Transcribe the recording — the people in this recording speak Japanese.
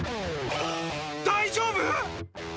大丈夫？